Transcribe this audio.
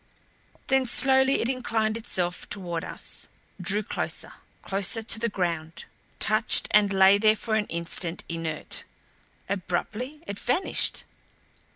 Then slowly it inclined itself toward us; drew closer, closer to the ground; touched and lay there for an instant inert. Abruptly it vanished.